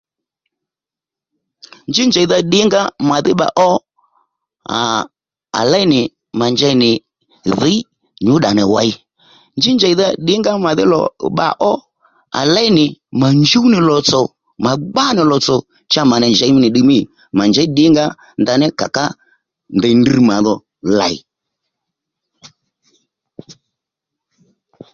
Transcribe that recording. Njí njèydha ddìnga màdhí bba ó aa à léy nì mà njey nì dhǐy nyú ddà nì wěy njí njèydha ddìnga ó màdhí lò bba ó à léy nì mà njúw nì lò tsò mà gbá nì lòtsò cha mà nì njèy nì ddiy mî mà njěy ddìngǎ ndaní kà ká ndèy ndrr màdho lèy